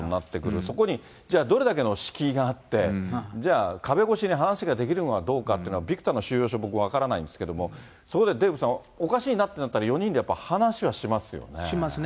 そこに、じゃあどれだけの敷居があって、じゃあ壁越しに話ができるのかどうかというのは、ビクタンの収容所、僕、分からないんですけど、そこでデーブさん、おかしいなってなったら、４人で話はしてますよね。